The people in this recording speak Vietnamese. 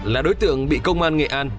là đối tượng bị công an nghệ an